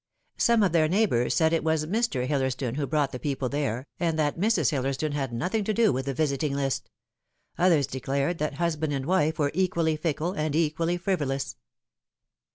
Some of their neighbours Baid it was Mr. Hillersdon who brought the people there, and that Mrs. Hillersdon had nothing to do with the visiting list ; others declared that husband and wife were equally fickle and equally frivolous.